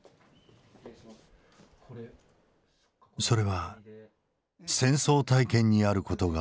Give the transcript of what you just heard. それは戦争体験にあることが分かった。